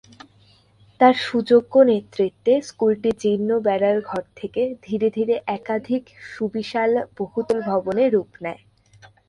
তার সুযোগ্য নেতৃত্বে স্কুলটি জীর্ণ বেড়ার ঘর থেকে ধীরে ধীরে একাধিক সুবিশাল বহুতল ভবনে রূপ নেয়।